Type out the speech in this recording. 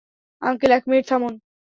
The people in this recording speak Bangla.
আঙ্কেল, এক মিনিট থামুন।